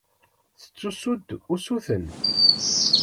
Tettessu-d usuten.